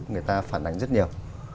người ta phản ánh rất nhiều